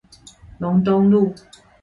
龍東路